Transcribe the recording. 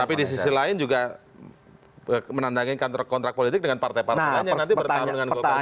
tapi di sisi lain juga menandangin kontrak kontrak politik dengan partai partai lain yang nanti bertahun tahun golkar juga